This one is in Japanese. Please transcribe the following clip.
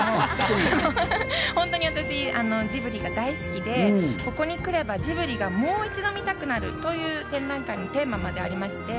本当に私、ジブリが大好きで、「ここにくれば、ジブリがもう一度見たくなる」という展覧会のテーマまでありまして。